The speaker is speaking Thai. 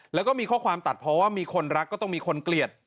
แล้วก็มีข้อความตัดเพราะว่ามีคนรักก็ต้องมีคนเกลียด